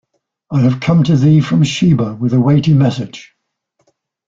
I have come to thee from Sheba with a weighty message.